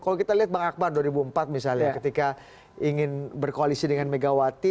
kalau kita lihat bang akbar dua ribu empat misalnya ketika ingin berkoalisi dengan megawati